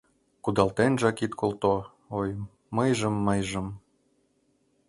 Кудалтенжак ит колто, ой, мыйжым-мыйжым.